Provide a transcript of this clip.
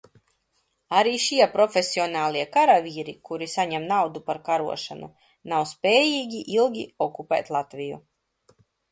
Arī šie profesionālie karavīri, kuri saņem naudu par karošanu, nav spējīgi ilgi okupēt Latviju.